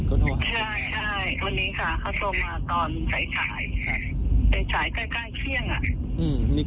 คุณแม่ก็บอกว่าคุณแม่เริ่มร้องเพลงแล้วนะวิวซิง